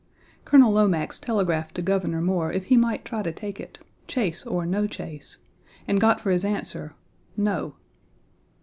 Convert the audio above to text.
Colonel Lomax telegraphed to Governor Moore 2 if he might try to take it, "Chase or no Chase," and got for his answer, "No."